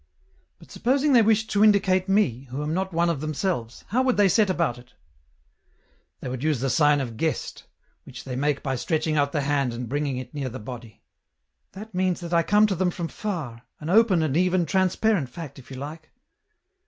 " But supposing they wished to indicate me, who am not one of themselves, how would they set about it ?"" They would use the sign of * guest,' which they make by stretching out the hand and bringing it near the body." " That means that I come to them from far, an open and even transparent fact if you like."